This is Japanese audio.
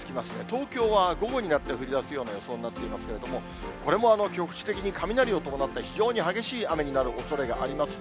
東京は午後になって降りだすような予想になっていますけれども、これも局地的に雷を伴った非常に激しい雨になるおそれがあります。